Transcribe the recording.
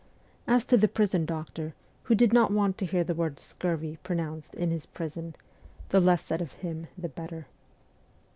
As to the prison doctor, who did not want to hear the word ' scurvy ' pronounced ' in his prison,' the less said of him the better.